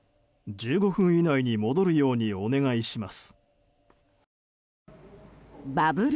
１５分以内に戻るようにお願いします。